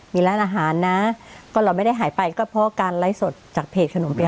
มีร้านอาหารนะก็เราไม่ได้หายไปก็เพราะการไลฟ์สดจากเพจขนมเปีย